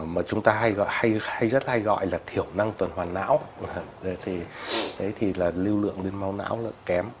mà chúng ta rất hay gọi là thiểu năng tuần hoàn não đấy thì là lưu lượng lên máu não là kém